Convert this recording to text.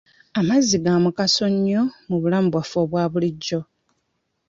Amazzi ga mugaso nnyo mu bulamu bwaffe obwa bulijjo.